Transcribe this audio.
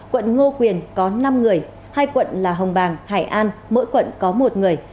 quận ngô quyền có năm người hai quận là hồng bàng hải an mỗi quận có một người